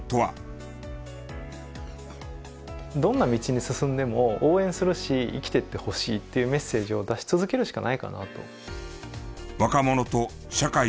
どんな道に進んでも応援するし生きていってほしいっていうメッセージを出し続けるしかないかなと。